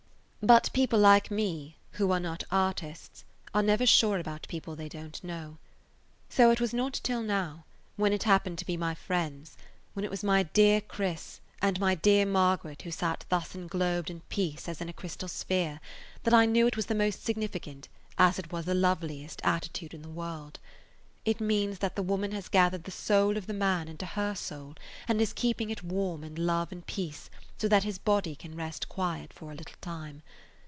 But people like me, who are not artists, are never sure about people they don't know. So it was not until now, when it happened to my friends, when it was my dear Chris and my dear Margaret who sat thus englobed in peace as in a crystal sphere, that I knew it was the most significant, as it was the loveliest, attitude in the world. It means that the woman has gathered the soul of the man into her soul and is keeping it warm in love and peace so that his [Page 140] body can rest quiet for a little time.